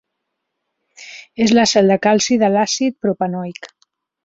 És la sal de calci de l'àcid propanoic.